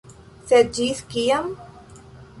Sed ĝis kiam?